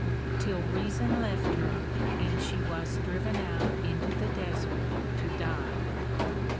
— till reason left her and she was driven out into the desert to die.